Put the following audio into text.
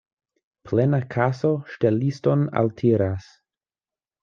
Plena kaso ŝteliston altiras.